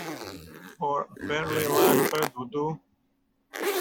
Or a fairly large brick would do.